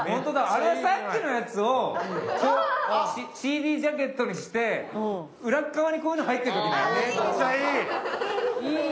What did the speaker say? あれさっきのやつをＣＤジャケットにして裏側にこういうの入ってる時ない？